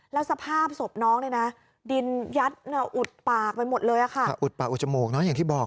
แล้วสภาพศพน้องเนี่ยนะดินยัดอุดปากไปหมดเลยอะค่ะอุดปากอุดจมูกเนอะอย่างที่บอก